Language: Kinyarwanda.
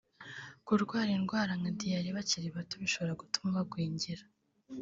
kurwara indwara nka diyare bakiri bato bishobora gutuma bagwingira